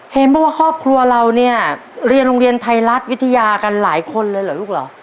บอกว่าครอบครัวเราเนี่ยเรียนโรงเรียนไทยรัฐวิทยากันหลายคนเลยเหรอลูกเหรอ